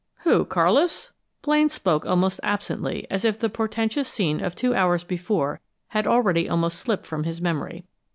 "Who Carlis?" Blaine spoke almost absently, as if the portentous scene of two hours before had already almost slipped from his memory.